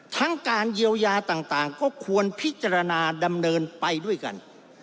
ทั้งการเยียวยาต่างก็ควรพิจารณาดำเนินไปด้วยกัน